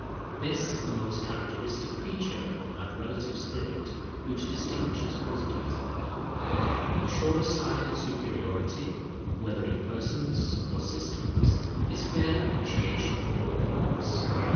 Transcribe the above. This is the most characteristic feature of that relative spirit which distinguishes Positivism. The surest sign of superiority, whether in persons or systems, is fair appreciation of opponents.